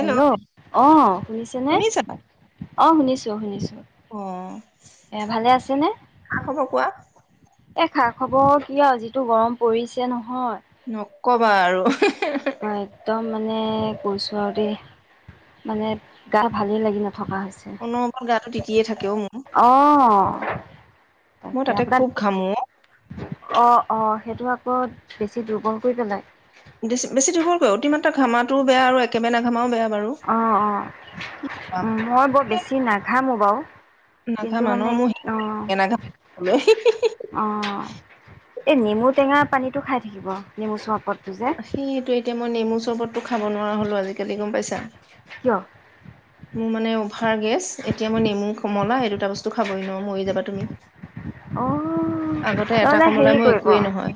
Hello অ শুনিছেনে শুনিছা অ শুনিছো শুনিছো অ এ ভালে আছেনে খা খবৰ কোৱা এ খা খবৰ কিয় আৰু যিটো গৰম পৰিছে নহয় নকবা আৰু অহ অ একদম মানে কৈছোঁ আৰু দেই মানে গা ভালেই লাগি ন থকা হৈছে অনবৰত গাটো তিতিয়ে থাকেও মোৰ আহ মই তাতে খুব ঘামো অ অ অ সেইটো আকৌ বেছি দুৰ্বল কৰি পেলাই অতিমাত্ৰ ঘামাটোও বে আৰু একেবে ন ঘামাও বেয়া বাৰু অ অ কি কবা উ মই বৰ বেছি নাঘা মোক বাৱ কিন্তু নাঘামা ন মানে মোৰ অ', সেই নাঘামা বলৈ। অ'। এই নেমু টেঙাত পানীতো খাই থাকিব। নেমু চৰ্বত সেয়েটো। এতিয়া মই নেমু চৰ্বত টো খাব নোৱাৰা হ'লোঁ আজিকালি, গম পাইছা? কিয়? মোৰ মানে ভাৰ গেছ। এতিয়া মই নেমু, কমলা, এ এটা বস্তু খাবই নোৱাৰোঁ। মৰি যাবা তুমি। অ'। আগতে এটা কমলাই মই একোৱেই নহয়।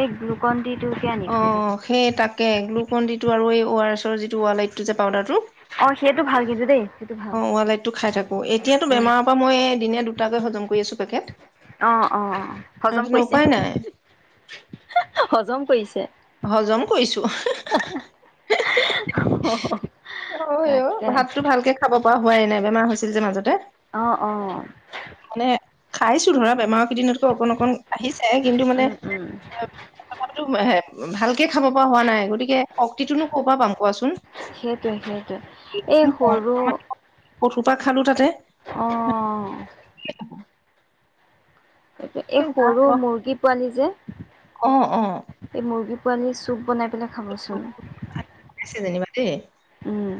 এই গ্লুকন ডিটোকে আনি থৈ দিব অ' সেয়ে তাকে। গ্লুকন ডিটো আৰু এই অ আৰ এছ ৰ যিটো ৱ লাইটটো যে পাউদাৰটো অঁ সেইটো ভাল কিন্তু দেই সেইটো ভাল অ' ৱালাইটটো খাই থাকোঁ। এতিয়াতো উম বেমাৰৰ পৰা মই দিনে দু টাকৈ হজম কৰি আছোঁ পেকেট। অ' - অ' - অ', হজম তেনে কৰিছে? উপায় নাই হজম কৰিছে? হজম কৰিছোঁ, হঁ-হঁ-হঁ-। অ'। অ' ভাতটো ভালকে খাব পৰা হোৱাই নাই। বেমাৰ আছিল যে মাজতে। অ' - অ'। খাইছোঁ ধৰা বেমাৰ প্ৰতিদিনতকৈ অকন - অকন আহিছে, কিন্তু মানে উম উম [unintelligible] ভালকে খাব পৰা হোৱা নাই। গতিকে শক্তিটোনো ক'ৰপা পাম কোৱাচোন? সে টো সেয়েটো। এই সৰু ধ সোপা খালোঁ তাতে। অ'। এ- এই গা সৰু মুৰ্গী পোৱালী যে, অ অ এই মুৰ্গী পোৱালী চুপ বনাই পেলাই খাবচোন। [unintelligible] তে। উম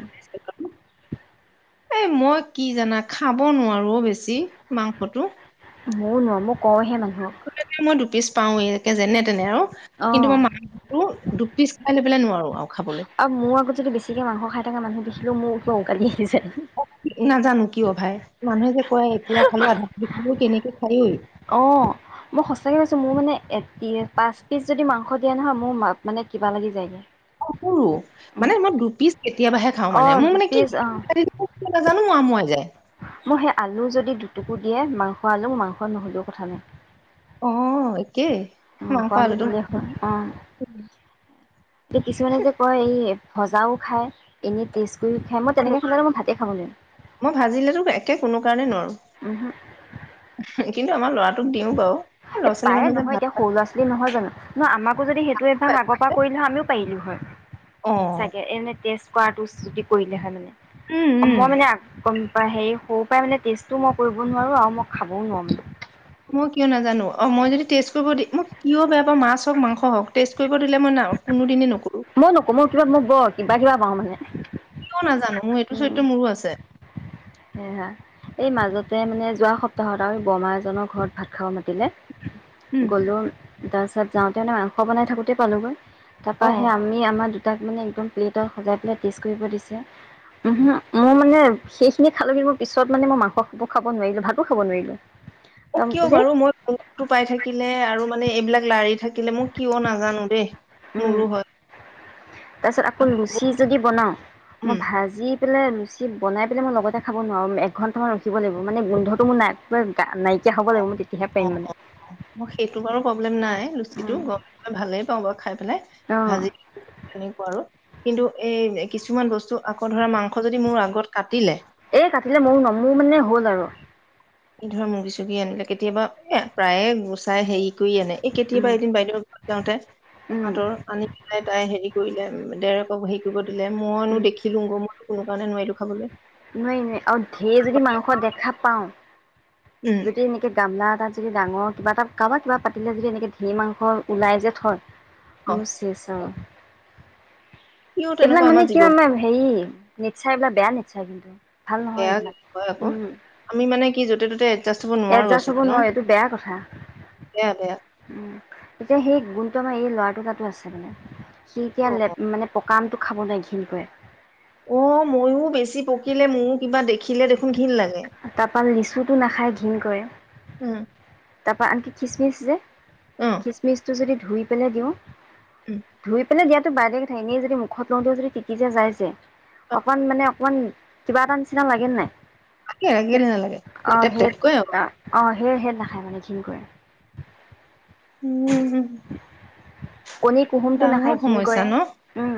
এ মই কি জানা, খাব নোৱাৰোঁ অ' বেছি, মাংসটো। মোৰ নৰ- মোক কওঁহে মান মই দুপিছ পাওৱে একে যেনে তেনে আও কিন্তু অঁ মই মাহ দুপ পিচ খাই লৈ পেলাই নোৱাৰো আৰু খাবলৈ খ মোকো উকাৰি আহিছে অ নাজানো কিয় ভাই মানুহে যে কয় একোৰা খালো আধা আৰু কেনেকে খাই অ মই সঁচাকে কৈছো মোৰ মানে পাঁচ পিচ যদি মাংস দিয়া নহয় মোৰ মানে কিবা লাগি যায়গৈ অ সৰু মানে মই দুপিচ কেতিয়াবাহে খাওঁ মানে অ', মোৰ মানে কি দুপিচ অ', নাজানো আমোৱাই যায় মোৰ সেই আলু যদি দুটুকু দিয়ে মাংস আলু মাংস নহ'লেও কথা নাই অ একেই ম মাংস আলুটো দিলে হয় অ এ কিছুমানে যে কয় এই সজাও খায় এনেই টেষ্ট কৰি খায় মই তেনেকৈ খালে নোৱাৰো মই ভাতেই খাব নোৱাৰিম। মই ভাজিলেতো একে কোনো কাৰণে নোৱাৰো [unintelligible] কিন্তু আমাক লৱাত এ পাৰে নহয় এতিয়া সৰু ল'ৰা ছোৱালী নহয় জানো ন আমাক যদি সেইটো অভ্যাস পায় আগৰ পৰা কৰিলে হয় আমিও পাৰলোঁ অ হয় চাগে এনে টেষ্ট কৰাটো চুটি তি কৰিলে হয় উম মানে উম মই মানে কম ত হেৰি সৰু পৰাই মানে টেষ্টো মই কৰিব নোৱাৰো আৰু মই খাবও নোৱাৰো মানে। মই কিয় নাজানো, অ মই যদি টেষ্ট কৰিব দি মই কিয় বেয়া পাওঁ মাছ হওঁক, মাংস হওঁক টেষ্ট কৰিব দিলে মই না কোনোদিনে নকৰো। মই নকো মোৰ কিবা মোক ব কিবা কিবা পাওঁ মানে। ক নাজানো মোৰ এইটো চৰিত্ৰ মোৰো আছে। সেইয়া এই মাজতে মানে যোৱা সপ্তাহত আৰু বৰমা এজনৰ ঘৰত ভাত খাব মাতি দলে উম গলো তাৰপাছত যাওঁতে মানে মাংস বনাই থাকোতে পালোগৈ। তাৰপৰা অ সে আমি আমাৰ দু তাক মানে একদম প্লেটত সজাই পেলাই টেষ্ট কৰিব দিছে। উম হু মোৰ মানে শেষ তুমি খালে বাৰু মোৰ পিছত মানে মাংস খাব নোৱাৰিলোঁ, ভাতো খাব নোৱাৰিলোঁ। অঁ তাৰপৰা মোক কিয় কৈছে বাৰু মই গুন্ধটো পাই থাকিলে, আৰু মানে এইবিলাক লাৰি থাকিলে মোক কিয় নাজানো দেই। মোৰো হয়। তাৰ পিছত আকৌ লুচি যদি বনাও মই উম ভাজি। পেলাই ৰুচি বনাই পেলাই মই লগতে খাব নোৱাৰোঁ একঘণ্টামান ৰখিব লাগিব মানে গোন্ধটো মোৰা নাকটোৱে নাই। হ'ব লাগিব মই তেতিয়াহে পাৰিম মানে মোক সেইটো বাৰু প্ৰব্লেম নাই। লুচি উম, টো গমে গমে ভালেই পাওঁ। বাৰু খাই পেলাই অঁ ভাজি তেনেকুৱা আৰু। কিন্তু এ কিছুমান বস্তু। আকৌ ধৰা মাংস যদি মোৰ আগত কাটিলে, এই কাটিলে ময়ো ন মোৰ মানে হ'ল আৰু ধৰা মুৰ্গী চৰ্গী আনিলে কেতিয়াবা এ প্ৰায়ে গুচাই হেৰি। কৰি আনে এই উম, কেতিয়াবা এদিন বাইদেউৰ ঘৰত যাওঁতে উম, তাহতৰ আনি পেলাই তাই হেৰি কৰিলে। দেৰক হেৰি কৰিব। মইনো উম, দেখিলো গ মইওঁ কাৰণে নোৱাৰিলোঁ খাবলে। নোৱাই, নোৱাই আৰু ঢেৰ যদি মাংস দেখা পাওঁ। উম যদি এনেকে। গামলা এতাত যদি ডাঙৰ কিবা এটা কাৰোবাক কিবা পাতিলে যদি এনেকে ধি মাংস ওলাই যে থয়। অ মই শেছ আওঁ। সিও এইবিলাক তেনেকুৱা মানে আমাৰ জীৱ কিমান হেৰি। নিশ্চয় এইবাৰ বেয়া নি। আচ্ছাবন্ধ বেয়া হয় আকৌ আমি মানে কি য'তে ত'তে এডজাষ্ট হব নোৱাৰো এডজাষ্ট আচোন হ'ব ন নোৱাৰে এইটো বেয়া কথা বেয়া বেয়া উম, এতিয়া সেই গুণটো আমাৰ এই ল'ৰাটো তাতো আছে মানে কি অ এতিয়া মানে। কামটো খাব নাই ঘৃণ কৰে অঁ ময়ো বেছি পকিলে ময়ো কিবা দেখিলে দেখো তাৰপৰা লিচুতটো নাখাই দিয় ঘৃণ কৰে। উম। তাৰপৰা আনকি খিচমিচ যে অ খচমিচটো যদি ধুই পেলাই দিওঁ উম ধুই পেলাই দাত বাইদে ক এনে যদি মুখত লওঁতেও যদি টিকিছে যাই যে অ অকণ মানে অকণ কিবা এটা নিচিনা লাগে নাই লাগে কেলে নালাগে অ টেপ হে টেপকৈ আৰু অ অ হে হেলা খ মানে ঘিন কৰে উম উম কণী কুহুমটো ডাঙৰ নাখায় ঘণ সমস্যা কৰে ন উম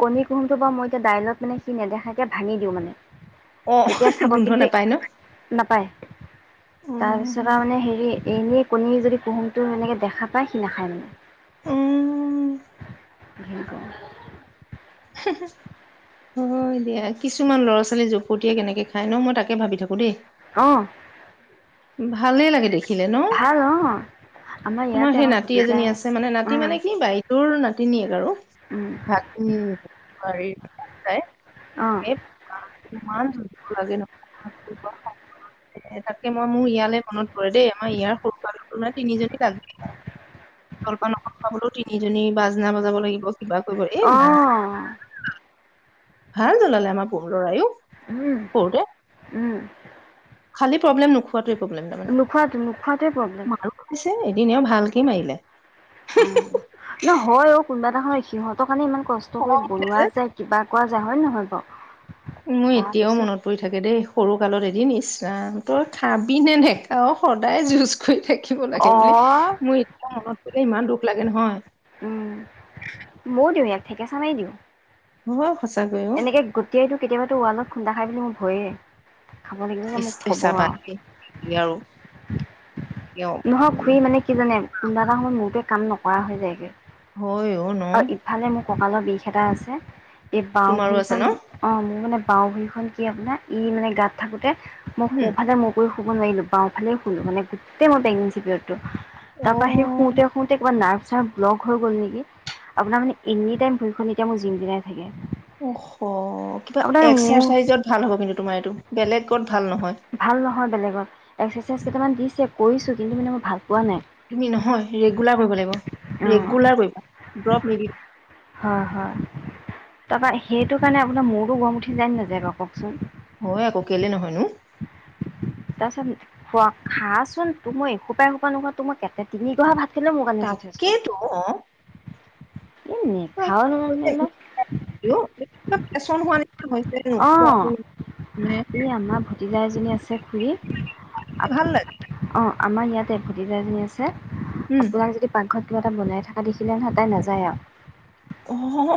কণী কুহুমটো বু মই এতিয়া দাইলত মানে সি নেদেখাকে ভাঙি দিওঁ মানে অ তেতিয়া খাব গোন্ধ কিন্তু নাপায় ন নাপায় তাৰপিছত অ', আৰু মানে হেৰি এনেই কণী যদি কুহুমটো এনেকে দেখা পায় সি নাখায় মানে অ', ঘক হয় দিয়া কিছুমান ল'ৰা ছোৱালী জোপতিয়াই কেনেকে খাই ন মই তাকে ভাবি থাকো দেই আহ ভালে লাগে দেখি দেখিলে ন অ আমাৰ তোমাৰ ইয়াতে সেই আমাৰ নাতি ভতিজা এজনী আছে মানে নাতি উম মানে কি বাই তৰ নাতি তিনিয়ক আৰু উম ভ উমাৰ াই অঁ মান ধ লাগে নহ তাকে ই মোৰ ইয়ালৈ মনত পৰে দেই আমাৰ ইয়াৰ সৰুকালো নে তিনিজনী লাগিল জল্প নক খাবলৈও তিনিজনী বাজনা বাজাব লাগিব কিবা কৰিব এই নাই আহ ভাল জলালে আমাৰ পোহৰৰ আয়ো উম উম খালী প্ৰব্লেম নোখোৱাে প্ৰব্লেম তাৰে নোখোৱাটো নোখোৱাটোৱে প্ৰব্লেম ম এদনে ভাল। অ ন হয় অ কোনোবা হয় সহঁতৰ কাৰণে ইমান কষ্ট কৰি খং উঠিলে বনোৱা যে যায় কিবা কোৱা জা হয় নহয় ব মই এতিয়াও মনত পৰি থাকে দেই সৰু কালত এদিন। ইচৰাম তই খাবি নে নেখাও সদায় যুজ কৰি থাকি। ৰাখিব অ লাগে বুলি মোৰ এতিয়া মনত পৰিলে ইমান দুখ লাগে নহয়। ঠেকেচামেই দিওঁ হ। এনেকে গোটেইটো কেতিয়াবাতটো ৱাল খুন্দা খাই বুলি ম। হয়। পিছা প আৰু। নহয়ক খুৰি মানে কি জানে। কোনোবা এটা সময় মোৰটো কাম নকৰা হৈ যায়গৈ। হয় অ ন। আৰু ইফালে মোৰ কঁকালৰ বিষ এটা আছে। এই বাওঁ তোমাৰো আছে ভৰিখন ন অ মোৰ মানে। বাওঁ ভৰিইখন কি আপোনাৰ ই মানে গাত থাকোঁতে। মোক উম সোৰফালে মোৰ। শুব নোৱাৰিলোঁ বাওঁফালে ফুল মানে। তে মই বেঙিঞ্চি। অ তাৰ পৰা সেই শুওঁতে শুওঁতে কিবা নাভ্। ছাৰ ব্লগ হৈ গ'ল নেকি আপোনাৰ মানে এনি টাইম ভৰিখন এতিয়া মোৰ জিম দিনাই থাকে। অ কিবা আপোনাৰ মোৰ এক্সাৰচাইজত ভাল হ'ব কিন্তু তোমাৰ এইটো বেলেগত ভাল নহয়। ভাল নহয় বেলেগত এক্সাৰচাইজ কেইটামান দিছে কৰিছোঁ কিন্তু মানে মই ভাল পোৱা নাই। তুমি নহয় ৰেগুলাৰ কৰিব লাগিব। অঁ ৰেগুলাৰ কৰিবা ড্ৰপ নিদিব। হয় হয় তাৰপৰা সেইটো কাৰণে আপোনাৰ মোৰো গম উঠি যন নাযায় বু কওকচোন। হয় আকৌ কেলে নহয়নো! খোৱা খাচোন তো মই এসোপাই এসোপা নোখোৱাতো মই কে তিনিগহা ভাত।। খালেও মোৰ কাৰণে যথেষ্ট তাকেইতো। [unintelligible] নেখাও নেমেলা চন হোৱা নিচ হৈছেনো। অঁ এই আমাৰ ভতিজা এজনী [unintelligible] আমাৰ ইয়াতে ভতিজা এজনী আছে। উম আপোনাৰ যদি পাকঘৰত। কিবা এটা বনাই থকা দেখিলে ন তাই নাযায় আও। অঁ।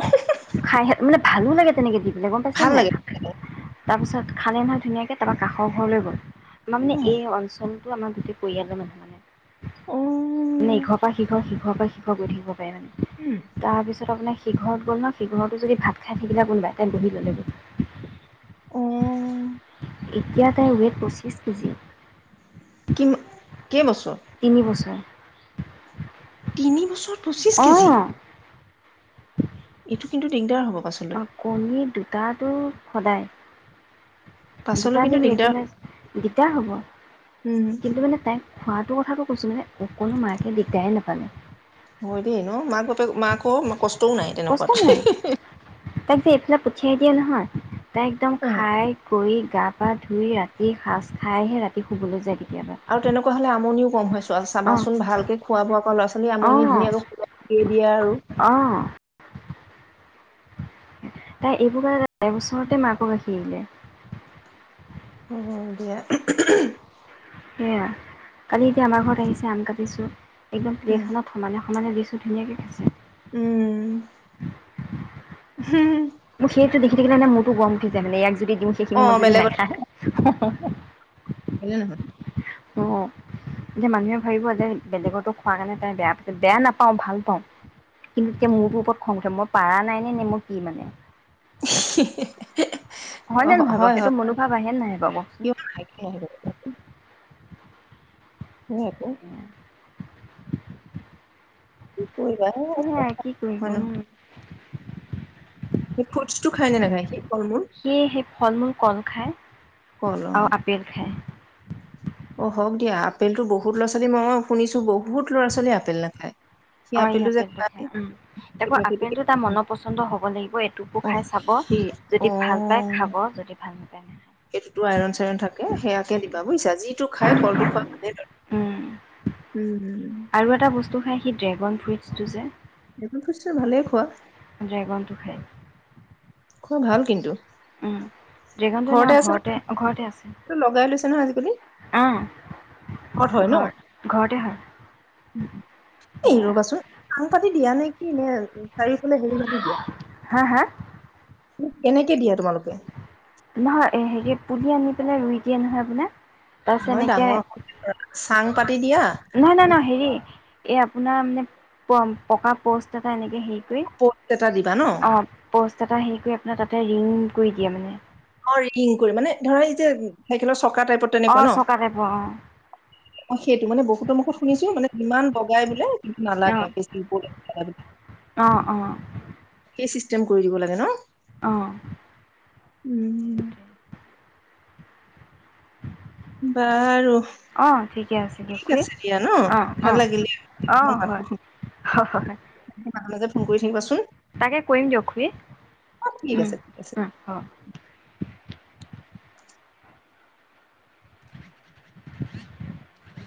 ভালো লাগে তেনেকে দি। বেলেগন পাইছেনে তাৰপিছত খালে নহয় ধুনীয়াকৈ তাৰপা কাষৰ ঘৰলৈ গ'ল। আমাৰ মানে অ এই অঞ্চল। আমাৰ গোটেই পৰিয়ালৰ মানুহ মানে অ মানে ইঘৰৰ পৰা সিঘৰ সিঘৰ পৰা সিখৰ গৈ থাকিব। পাৰে মানে। উম তাৰ পিছত আপোনাৰ সি। সি ঘৰত গ'ল ন সিঘৰতো যদি ভাত খাই থাকিলে কোনবাই তাই বহি ল'লে গ অ এতিয়া তাই ওৱেট পৰচিদ পছিশ কেজি। কি কেই বছৰ। তিনি বছৰ তিনি বছৰ পঁচিছ কেজি। অঁ এইটো কিন্তু দিগদাৰ হ'ব। পাছলৈ অ কণী দু। তাতো সদায়। পাছলৈ দুটা কিন্তু দিম দিগদাৰ ৰেগুলাৰ দিগদাৰ হ'ব উম কিন্তু মানে টাই। খোৱাটো কথাটো কৈছো মানে অকো মাকে দিগদাৰ নাপালে। হয় দেই ন মাক বাপেক মাকো কষ্টও নাই তেনেকুৱাত। তাক যে এইফালাক পঠিয়াই দিয়ে নহয়। ত একদম অ খাই। কৈ গা পা ধুই ৰাতি সাঁজ খাইহে ৰাতি শুবলৈ যায় গে। আৰু তেনেকুৱা হলে আমনিও কম হৈ চোৱা অঁ চাবাচোন ভালকে খোৱা বোৱা আকৌ ল'ৰা ছোৱালী অঁ আমনি ধুনীয়াকে শুলে, শুই দিয়ে আৰু। অঁ তাই এইবোৰ কাৰণে এবছৰতে মাকাক গাখীৰ এৰিলে। অ দিয়া, সেয়া, কালি এতিয়া আমাৰ ঘৰত আহিছে। চ আম কাটিচো একদম উম প্লেখনত সমানে সমানে দিছো ধুনীয়াকৈ খাইছে উম হ মোক সেইটো দেখি থাকিলে মে মোৰতো গম উঠিছে মানেয়াক যদি দিওঁ অ সেইখিনি মই যুদি নাখা অ হ ন অ এতিয়া মানুহে ভাবিব যে বেলেগো খোৱাৰ কাৰণে তাই বেয়া পা বেয়া নাপাওঁ ভাল পাওঁ কিন্তু এতিয়া মোৰ ওপৰত খং উঠে মই পাৰা নাই নে নে মোৰ কি মানে [inaudible] অ হয়নে নহয় বাৰু হয় সেইটো হয় মনোভাৱ আহে নে নাহে বাৰু কওকচোন ক উম এ [unintelligible] সেয়াই কি গ কৰিব ন [unintelligible] নে নাখায় সি ফল মূল সেয়ে সেই ফল মূল কল খায় আৰু আপেল খায়। অঁ হওক দিয়া আপেলতো বহুত ল'ৰা ছোৱালী মই শুনিছো বহুত ল'ৰা ছোৱালীয়ে আপেল নাখায়। সি আম ই যে আপেলটো খাই খায় উম আকৌ আপেলটো তাৰ মন পচন্দ হব লাগিব এইটোকো অ খাই চাব সি যদি ভাল পাই অ খাব যদি ভাল নাপ। আই। সেইটোতো আইৰন চাইৰন থাকে সেয়াকে উম দিবা বুজিছা যিটো খাই কলটো খোৱা ভালেই। উম আৰু এটা বস্তু খাই সি ড্ৰেগন ফ্ৰুটছটো যে, ড্ৰেগন ফ্ৰুটছ ভালে খোৱা। ড্ৰেগনটো খাই। খোৱা ভাল কিন্তু। উম। ড্ৰেগনটো এনে ঘৰতে আমাৰ আছে ঘৰতে আছে নে? লগাই লৈছে নহয় আজিকালি উম ঘৰত হয় ন ঘৰ ঘৰতে হয় এয়া ৰবাচোন আং পাতি দিয়া নে? কিনে? চাৰিফালে হেৰি মানি দিয়া? হা হা কেনেকে দিয়া তোমালোক? নহয়। এই হেৰি পুলি আনি পেলই ৰুই দিয়ে নহয় আপোনাক। নহয় ডাঙৰ হ চাং পাতি দিয়া। নহয় নহয় নহয় হেৰি এই আপোনাৰ মানে প পকা প'ষ্ট এটা এনেক। সেইটোৱে। প'ষ্ট এটা দিবা ন। প'ষ্ট এটা হে কৰি আপোনাৰ তাতে ৰিং কৰি দিয়ে মানে। অ ৰিং কৰি ধৰা এতিয়া। অঁ চকা টাইপৰ অঁ। অঁ, সেইটো মানে বহুতৰ মুখত শুনিছো মানে ইমান বগাই বোলে। নালাগে। অ', অ', অ', টেম কৰি দিব লাগে ন। অঁ। উম। বাৰু। অঁ ঠিকে আছে দিয়ক ঠিক খুৰীঅঁ আছে দিয়া ন ভাল লাগিলে অঁ অঁ মোৰ মাতটো শুনি হয় মাজে মাজে ফোন কৰি থাকিবাচোন তাকে কৰিম দিয়ক খুৰী অ ঠিক আছে ঠিক আছে উম উ অ। [unintelligible]